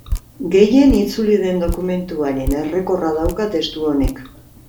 Gehien itzuli den dokumentuaren errekorra dauka testu honek.